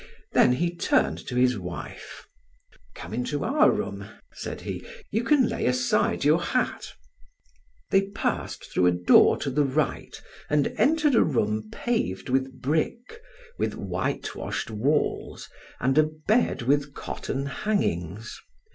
Then he turned to his wife: "Come into our room," said he, "you can lay aside your hat." They passed through a door to the right and entered a room paved with brick, with whitewashed walls and a bed with cotton hangings.